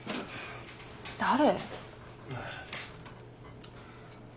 誰？